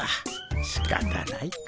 しかたないか。